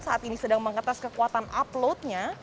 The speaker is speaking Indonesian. saat ini sedang mengetes kekuatan uploadnya